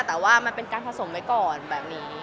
แต่ว่ามันเป็นการผสมไว้ก่อนแบบนี้